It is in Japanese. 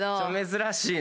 珍しいな。